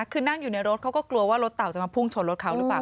คือนั่งอยู่ในรถเขาก็กลัวว่ารถเต่าจะมาพุ่งชนรถเขาหรือเปล่า